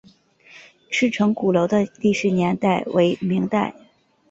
赤城鼓楼的历史年代为明代。